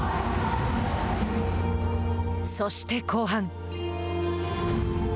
そして後半。